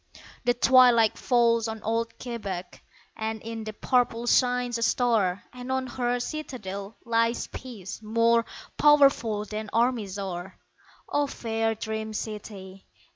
The twilight falls on old Quebec And in the purple shines a star, And on her citadel lies peace More powerful than armies are. O fair dream city!